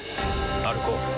歩こう。